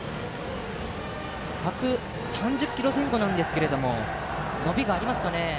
１３０キロ前後なんですが伸びがありますか？